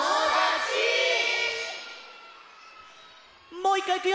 もういっかいいくよ。